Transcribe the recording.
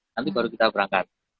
nanti baru kita berangkat